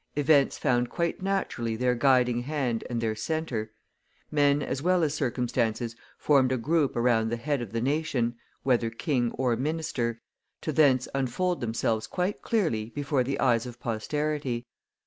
events found quite naturally their guiding hand and their centre; men as well as circumstances formed a group around the head of the nation, whether king or minister, to thence unfold themselves quite clearly before the eyes of posterity.